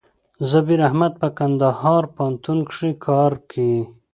زبير احمد په کندهار پوهنتون کښي کار کيي.